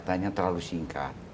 katanya terlalu singkat